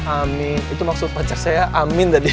amin itu maksud pacar saya amin tadi